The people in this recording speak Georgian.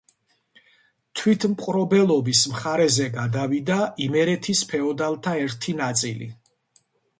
თვითმპყრობელობის მხარეზე გადავიდა იმერეთის ფეოდალთა ერთი ნაწილი.